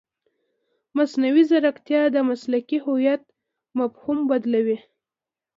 مصنوعي ځیرکتیا د مسلکي هویت مفهوم بدلوي.